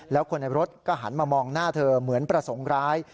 แล้วคนในรถก็หันมามองหน้าเธอเหมือนประสงค์ร้าย